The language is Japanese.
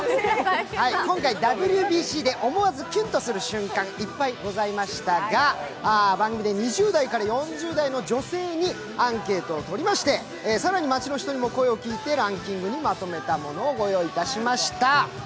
今回、ＷＢＣで思わずキュンとする瞬間がいっぱいございましたが、番組で２０代から４０代の女性にアンケートを取りまして、更に街の人にも声を聞いてランキングにまとめたものをご用意いたしました。